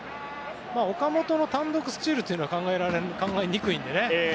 岡本の単独スチールは考えにくいのでね。